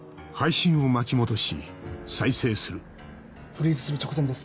フリーズする直前です。